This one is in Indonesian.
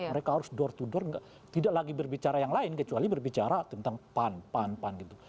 mereka harus door to door tidak lagi berbicara yang lain kecuali berbicara tentang pan pan gitu